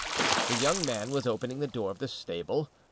The young man was opening the door of the stable.